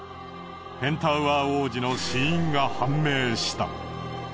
ペンタウアー王子の死因が判明した。